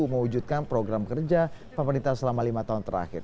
mewujudkan program kerja pemerintah selama lima tahun terakhir